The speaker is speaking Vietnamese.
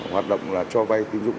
hoạt động là cho vay tính dụng